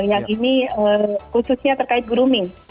yang ini khususnya terkait grooming